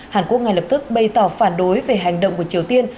hàn quốc ngay lập tức bày tỏ phản đối về hành động của triều tiên